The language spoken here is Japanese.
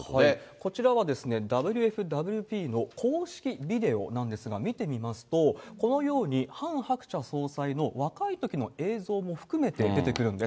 こちらは、ＷＦＷＰの公式ビデオなんですが、見てみますと、このように、ハン・ハクチャ総裁の若いときの映像も含めて出てくるんです。